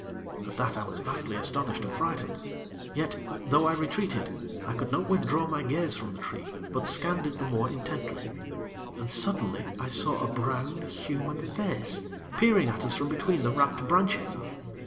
At that I was vastly astonished and frightened; yet, though I retreated, I could not withdraw my gaze from the tree; but scanned it the more intently; and, suddenly, I saw a brown, human face peering at us from between the wrapped branches.